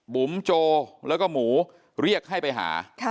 บุ๋มโจหมูเรียกให้ไปหา